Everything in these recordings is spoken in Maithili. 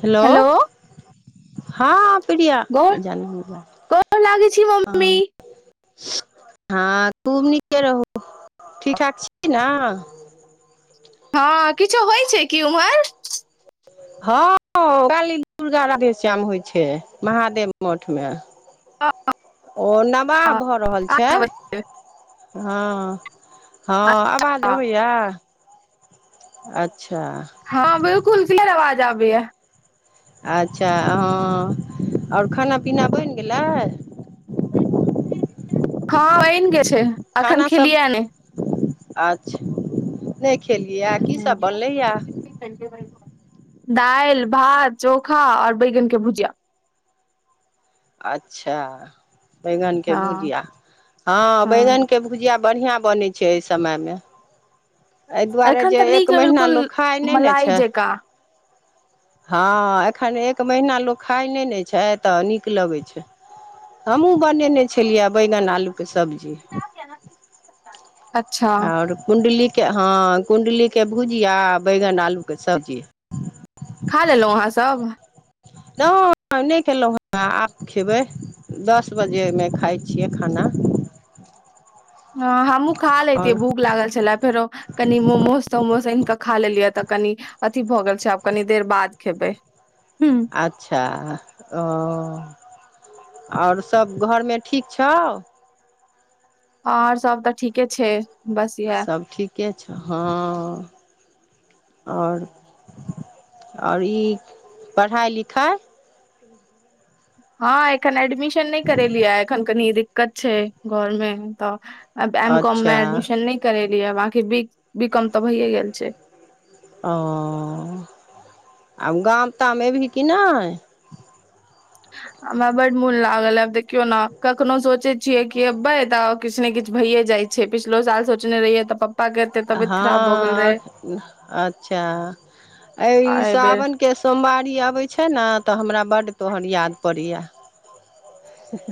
हेलो, हँ। प्रिया गोर गोर लागै छी मम्मी [unintelligible] हँ खुब नीके रहू ठीक ठाक छी ना। हँ किछो होइ छै की उम्हर। हँ काली दुर्गा राधेश्याम होइ छै महादेव मठ मे। अ अ। ओ नबाह भऽ रहल छै हँ। हँ आवाज अबैया अच्छा। हँ बिलकुल किलर आवाज आबैए। अच्छा हँ और खाना पीना बनि गेलै? हँ बइन गेल छै, अखन खेलियै नई। अच्छे नै खेलियैया कीसभ बनलैया। दाईल, भात, चोखा, और बैगन के भुजिया। अच्छा बैगनके हँ भुजिआ हँ बैगनके भुजिया बढ़ियां बनै छै, एहि समय मे एइह दुआरे एखन जे तऽ नीक एक महीना बिलकुल लोक खाइ नै न मलाई छै। जेकाँ हँ एखन एक महीना लोक खाइ नै नऽछै, तऽ नीक लगै छै। हमहूँ बनेने छलियै बैंगन आलूके सब्जी अच्छा आओर कुण्डलीके हँ कुण्डलीके भुजिया आ बैगन आलूके सब्जी खा लेलौं अहाँ सब नो ई नइ खेलहुँ हेँ आब खेबै दस बजेमे खाइ छियै, खाना हँ हमहूँ खा लैतियै आओर भूख लागल छलै, फेरो कनी मोमोज तोमोज आनि कऽ खा लेलियै तऽ, कनी अथी भ‌ गेल छै, त आब कनी देर बाद खेबै हूँ अच्छा ओ और सब घरमे ठीक छौउ। आऔर सब त ठीके छै। बस इएह सभ ठीके छ, हँ। और -और ई पढ़ाई लिखाई हा ऐखन एडमिशन ने करे लिये एऐखन कनि दिक्कत छे, घरमे त आ एम कॉम अच्छा मे एडमिशन ने करेली ह बकी बी कॉम त भइे गेल छे। ओ आब गाम ताम ऐबही कि नई। हमरा बड मोन लागल अइ आब देखियो नऽ कखनो सोचइ छिये कि एबे त किछ ने किछ भइयए जाइ छे। पिछिलो साल सोचने रहिऐ त पप्प हा अच्छा आ अइ एहि सावन बेर के सोमवारी अबे छइ नऽ, तऽ हमरा बड्ड तोहर याद पड़ैया।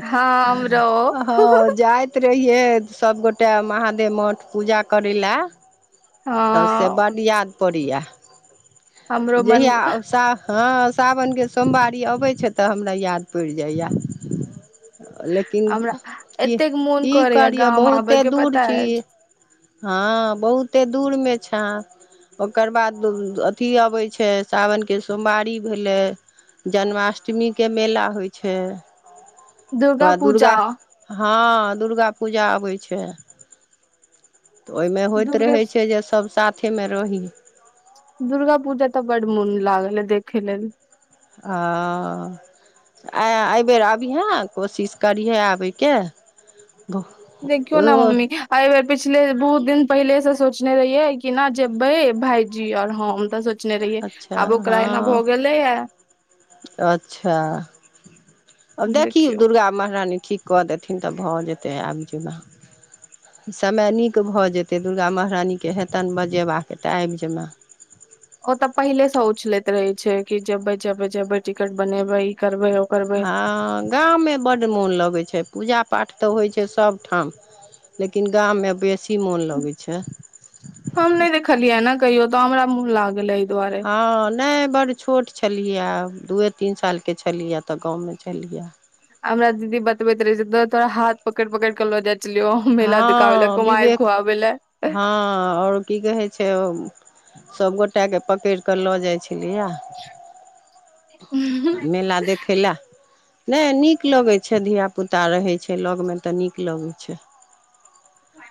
हँ हमरो हा हँ जाई रहिये सभगोटे महादेव मठ पूजा करे लै। त से हँ बड्ड याद पड़ैऐ हमरो जहिय मन आ स हा साबन के सोमवारी अबेत छे त हमरा याद पइड़ जाइया। लेकिन हमरा की- एतेक मोन की करैया करिये गाम आबे बहुते के दूर पता छी। अय हा बहुते दूर मे छैए। ओकर बाद अथि अबेत छेइ, सावनके सोमवारी भेले जन्माष्टमी के मेला होइ छै। ओकर बाद दुर्गा हा दुर्गा पूजा आबे छय। त ओइ मे होइत दुर्गे रहेत छै, जे सभ साथे मे रही। दुर्गा पूजा तऽ, बड मुन लागल ये देखे लेल। अँ आ एइहबेर अबिहैं कोशिश करिहे आबयके बहु देखियो नऽ, मम्मी एइहबेर पिछले बहुत दिन पहिले से सोचने रहिये कि नऽ, जेबे भायजी और हम तऽ, सोच सोचने रहियै अच्छा आब ओकरा एना हँ भ गेलेए अच्छा अब देखी देखियौ दुर्गा महरानी ठीक क देथिन तऽ, भ जेते आबइ जबै। समय नीक भ जेतै दुर्गा महरानी के हेतनि बजेबाक त आइब जेबैं। ओत पहिले स उछलैत रहै छै कि जेबै जेबै जैबो, टिकट बनेबै। करबै ओ करबै हां गाम मे बड्ड मोन लगै छै पूजा पाठ त होइ छै सभठाम लेकिन गाम मे बेसी मोन लगै छै। हम नै देखलियै यै ना कहियो त हमरा मुन लागल ऐ दुआरे। हॅं नै बड़ छोट छलहिहै दुए तीन सालके छलहीहै त गाँव मे छलहीहै। हमरा दीदी बतबैत रहे छै तोरा हाथ पकड़ि पकड़ि कऽ लऽ जायइत। छलियौ मेला देखाबै लए कुमारि खुआबै लए। हॅं आओर की कहै छै उम्म सभगोटा के पकड़िक ल जाइ छलैयै। [unintelligible] मेला देखै लए। नै नीक लगै छै धियापुता रहै छै लगमे त नीक लगै छै।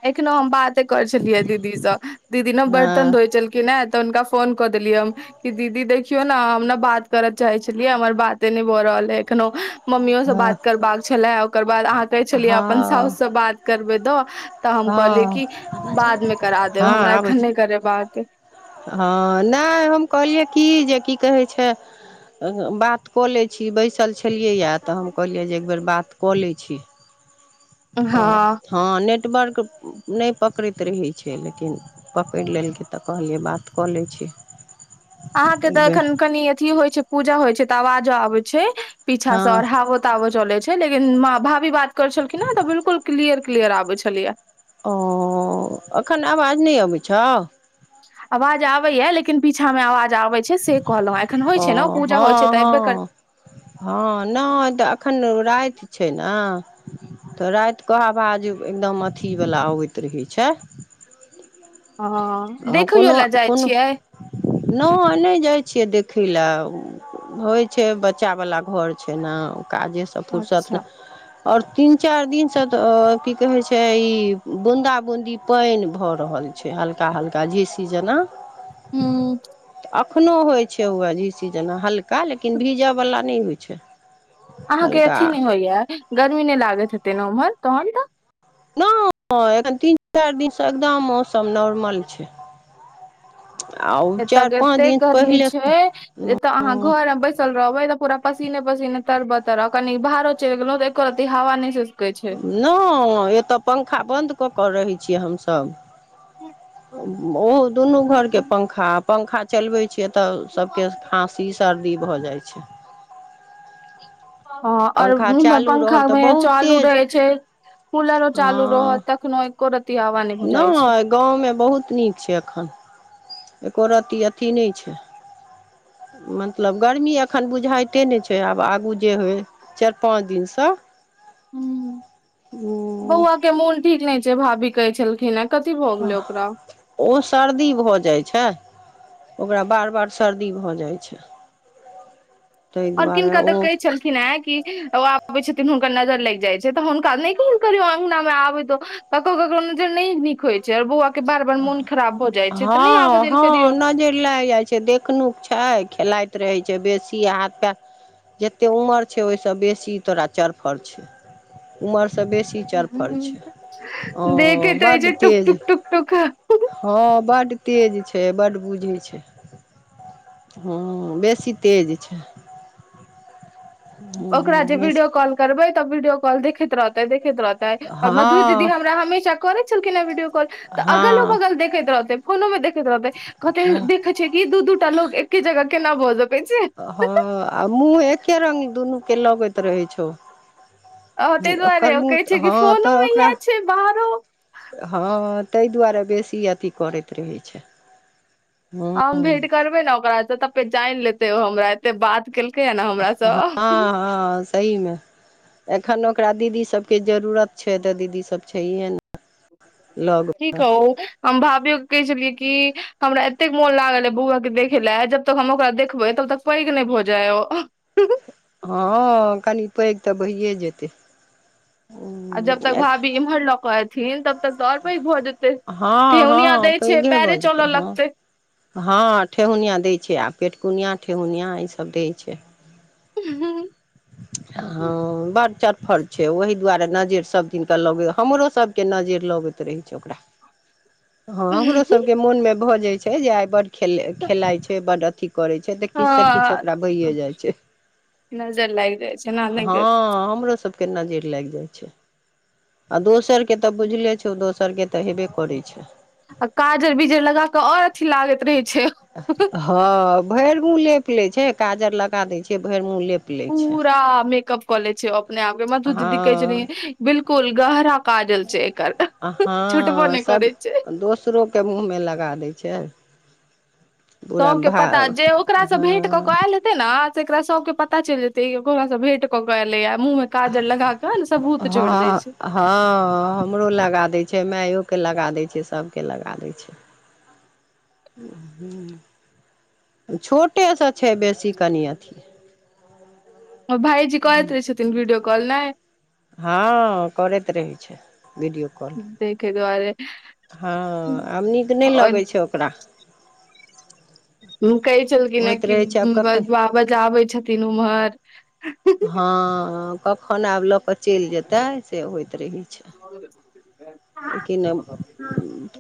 एखनो हम बाते करे छलियैये दीदी स दीदी ने हँ बर्तन धोअइ छलखिने त हुनका फोन क देलियै हम कि दीदी देखियौ न हम न बात कर चाहै छलियैयै हमर बातै नै भ रहल अइ एखनो मम्मीयो स हँ बात करबाक छले ओकर बाद अहाँ कहै छलिये अपन साउस हँ से बात करबै द त हम हँ कहलियै कि बाद मे करा देब हमरा एखन नै करेबाक अइ। हॅं, नै हम कहलियै की जे की कहै छै बात क लै छी बेसल छलियैये त हम कहलियै जे एक बेर बात क लै छी। त हँ हं नेटवर्क नै पकड़ैत रहै छै लेकिन पकड़ि लेलकै त कहलियै बात कऽ लै छी। अहाँ के त एक बेर एखन कनी अथी होइ छै पूजा होइ छै त आवाजो आबे छै पीछा स हँ आर हावो ताबा चलै छै लेकिन भाभी बात करै छलखिन हैं त बिल्कुल क्लियर क्लियर आबे छलैयै। ओ अखन आवाज नै अबै छौ? आवाज आबैया लेकिन पीछा मे आवाज आबै छै से कहलौं हैं ऐखन होइ छै ने ओ पूजा होइ छै त एबे कर हॅं नै त ऐखन राति छै ने त रातिक आवाज एकदम अथीवला अबैत रहै छै। हं देखैयो लए जाइ छियै? नै नै जाइ छिये देखै लए होइ छै बच्चा बला घर छै ना ओ काजे स फुरसत नै अच्छा और तीन चार दिनस त की कहै छै ई बूंदा बूंदी पानि भऽ रहल छै हल् हल्का हल्का झीसी जेना हूँ अखनो होइ छै वैह झीसी जेना हल्का लेकिन भीज बला नहि होइ छै। अहाँ के हल्का अथी नै होइया गर्मी नै लागोत हेतै ने उम्हर तहन त नोइ ऐखन तीन चार दिन स एकदम मौसम नॉर्मल छै। आउ चार पाँच दिन पहिले एत अहाँ घर मे बैसल रहबै त पूरा पसीने पसीने तरबतर आ ओ कनि बाहरो चलि गेलौं त एको एको रती हवा नै सिसकै छै। नोइ एत पंखा बन्द कऽ कऽ रहै छियै हमसभ। [unintelligible] ओहो दुनू घर के पंखा पङखा चलबै छियै त सबके खाँसी सर्दी भ जाइ छै। हॅं और पंखा इम्हर चालू पंखा रहल तऽ [unintelligible] बहुत चालू तेज रहै छै। कूलरो चालू रहत तखनो एको रत नेैय गाँव मे बहुत नीक छेै एखन एकोरती अथी नेै छेै। मतलब गर्मी एखन बुझाइते ने छेै आब आगू जे होय। चैर पाँच दिन सँ। हूँ बौआ के मोन ठीक नेै छेैय भाभी कहेै छेलखिन ए। कथी भऽ गेलेै ओकरा। ओ सर्दी भऽ जाय छेै ओकरा बार- बार सर्दी भऽ जाय छै। ताहि ओर दुआरे किनका दऽ ओ कहेै छ्लखिन एँ कि। ओ अबै छथिन हुनकर नजर लाइग जाय छेै तऽ हुनका नै कहल करियौ अंगना मे आबै दऽ। ककरो ककरो नजर नेै नीक होय छेै और बौआ के बार- बार मोन खराब भऽ जाय छै तऽ नै आबऽ देल करियौ। नजैर लाइग जाय छे‌ै देख। कनुप छेै खेलाइत रहेै छेै बेसी आहाँ के। जतेए उमर छे ओय सँ बेसी तोरा चरफर छेै उमर से बेसी। चरफर छै ओ हूँ देखेैत रहेै बड्ड छेै टूक- तेज टूक -टूक- टूक। हँ बड तेज छेै बड बुझेै छेै। हूँ बेसी तेज छेै। ओकरा जे वीडियो कॉल करबेै तऽ वीडियो कॉल देखेैत रहतेै देखेैत रहतेै। तै और मधु दीदी हँ हमरा हमेशा करेै छलखिन हेँ वीडियो कॉल तऽ अगलो हँ बगल देखैत रहतेै। फोनो मे देखैत रहतै कहतै हँ देखेै छियेै कि दू -दुदूटा लोग एके जगह केना भऽ सकै छै। हँ आ मुँह एके रंग दुनू के लगैत रहेै छौ। अ ताहि दुआरे ओकर ओ कहै छै मूँह कि हँ फोनो तऽ मे इएह ओकरा। छै बाहरो हँ तेै दुआरे बेसी अथी करैते रहेै छेै म हम भेंट करबेै ने ओकरा सँ तब पहँचैन लेतेै ओ हमरा एते बात केल हँ, हँ सही मे एखन ओकरा दीदी सबके जरूरत। छेै तऽ दीदी सब छेैहे नै। [unintelligible] की कहू हम भाभियो के कहेै छेलियेै कि हमरा एतेक मोन लागल बौआ के देखेै लए जब तब हम ओकरा देखबेै तब तक पैघ ने भऽ जाय ओ- हँ कनी पेैघ तऽ भइए जेतेै। आ जब तक भाभी इम्हर लऽ के एयथिन तब। तब तऽ और पैघ भऽ जेतेै हँ ठेउनिया हँ दैय छेै पैघे पैरे भऽ जेतै चलऽ हँ लगतै। हँ ठेहुनिया दै छै आ पेटकुनिया ठेहुनिया ई सब दै छै। [unintelligible] हँ बड चरफर छै ओहि दुआरे नजेैर सब दिन के लागेै हमरो सब के नजैर लगेै। तरहै छै ओकरा। [unintelligible] हँ हमरो सब के मोन मे भऽ जाय छै जे आइ बड- खेले- खेलाइ छै बड अथी करै छै तऽ किछ सँ किछ हँ ओकरा भइए जाय छै। नजर लागि जाइ छै ने नहि हँ हमरो सब के नजैर लाइग जाय छै। आ दोसर के तऽ बुझले छौ दोसर के तऽ हेबे करै छै। आ काजर बीजर लगा कऽ और अथी लागैत रहै छै। हँ भैर मुँह लेप लेै छै काजर लगा देैय छियै भैर मुँह लेप। लै छै पूरा मेकअप कऽ लेै छै ओ अपने आप मधु दीदी कहै हँ छथीन बिल्कुल गहरा काजल छै एकर छूटबो नेै करेै छै। दोसरो। के मुँह मे लगा दै छै। पूरा सब के भा पता जे ओकरा से हँ भेंट क के आयल हेतै जेते ने त एकरा सबके पता चलि जेतै ई बौआ भेंट कऽ के एलैये, मुँह मे काजल लगा क सबूत छोड़ि दै छै। हां। हमरो लगा दै छै माइयो के लगा दै छै सभके लगा दै छै। [inaudible] छोटे सँ छै बेसी कनि अथि। ओ भाईजी करैत रहै छथिन विडियो काल नै। हँ करैत रहै छै वीडियो देखे दुआरे हँ आब नीक नै और लगै छै ओ ओकरा। हुं कहै छलखिन हें होइत कि रहै छै आब कखन बजबाबैत आबे छथिन उमहर। हँ कखन आब ल कऽ चैल जेतै से होइत रहैत छै। किनब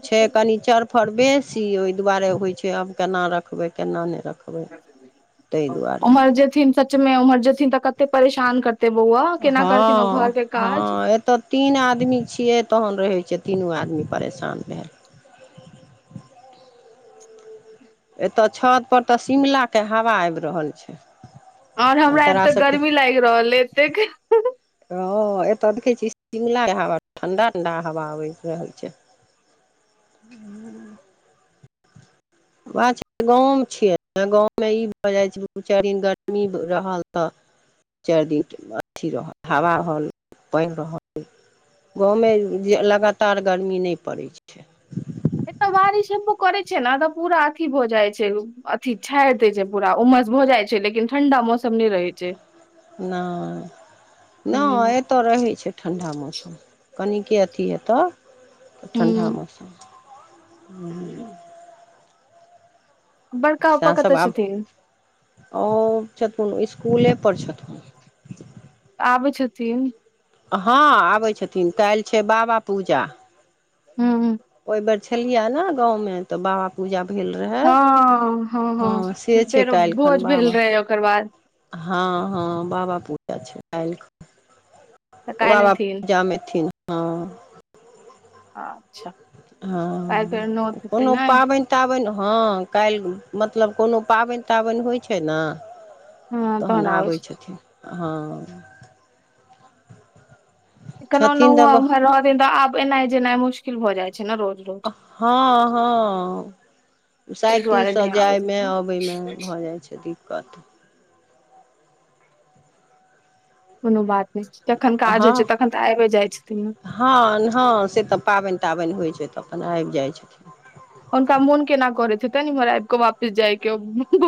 छै कनि चर थर बेसी ओहि दुआरे होइ छै आब केना रखबै केना नै रखबै। ताहि दुआरे उमहर जेथिन सच मे उमहर जेथिन तऽ कते परेशान करथिन। ते बौआ केना करथिन ओ हँ घर के काज। हँ एतऽ तीन आदमी छियै तखन रहै छै तीनू आदमी परेशान भेल। एतय छत पर तऽ शिमला के हवा आबि रहल छै। और आ हमरा तोरा एतऽ सबके गर्मी लागि रहल अछि एतेक। ह एतय देखे छियै शिमला हवा ठंडा ठंडा हवा आबि रहल छै। [unintelligible] बात छै गाँव मे छियै, गाँव मे ई भऽ जाइ छै दू चारि दिन गरमी रहल तऽ चारि दिन अथि रहल हवा रहल पानि रहल गाँव मे जे लगातार गरमी नै पड़ै छै। एतऽ बारिश हेबो करै छै ने तऽ पूरा अथि भऽ जाइ छै ऊ अथि छाड़ि दै छै पूरा उमस भऽ जाइ छै लेकिन ठंडा मौसम नै रहै छै। नै नै हूं एत एतऽ रहै छै ठण्डा मौसम कनिके अथि हेतय त ठण्डा हूं मौसम। [unintelligible] बड़का पप्पा सएह कतऽ सभ आब छथिन ओ छथुन इसकुले पर छथुन। आबैत छथिन। हँ आबै छथिन काल्हि छै बाबा पूजा हुं। ओहि बेर छलियै हे ने गाँव मे तऽ बाबा पूजा भेल रहै, हँ से छै फेरो काल्हिखन भोज भेल बाबा रहे ओकर बाद हँ हँ बाबा पूजा छै काल्हि खन तऽ काल्हि बाबा एथिन पूजा मे एथिन हँ अच्छा काल्हि हँ फेर नोत हेतै कोनो ने पाबनि पाबनि हँ काल्हि मतलब कोनो पाबनि ताबनि होइ छै ने हँ तखन तहन आबै छै छथिन हँ कोनो छथिन नहु तऽ उमहर रहथिन तऽ आब एनाय जेनाइ मुश्किल भऽ जाय छै ने रोज रोज हँ हँ ताहि दुआरे साइकिलसे नहि आबै जायमे छथिन अबयमे भऽ जाइत छै दिक्कत कोनो बात नहि छै जखन काज हँ होइ छै तखन तऽ आबिए जाइ छथिन ना हँ हँ से तऽ पाबनि ताबनि होइ छै तऽ अपन आबि जाइ छथिन हुनका मोन केना करैत हेतैन इम्हार आबि कऽ वापिस जायके ओ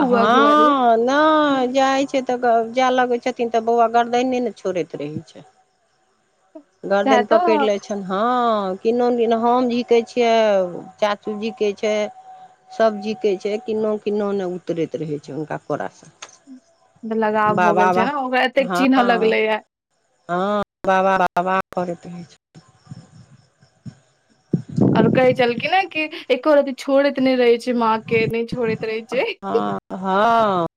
हँ नइ जाइ छै तऽ ग जाय लगै छथिन तऽ बौआ गरदइने ने छोड़ैत रहै छैन। गरदिन तऽ पकड़ि लय छै। छ हँ किनादिन कि हम झिकै छियै चाचू झिकै छै। सभ जिकैय छै किन्नो किन्नो नहि उतरैत रहै छै हुनका कोरास। लगाव भ गेल छै ने ओकरा एतेक हँ चिन्ह लगले या। हँ बाबा बाबा करैत रहै छै। आर कहे छलखिन ने कि एको रति छोड़ैत नहि रहे छै माँ के नहि छोड़ैत रहे छै। हँ हँऽ।